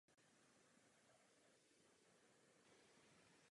Vzdělávání je třeba těmto změněným okolnostem přizpůsobit.